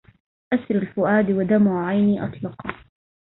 أسر الفؤاد ودمع عيني أطلقا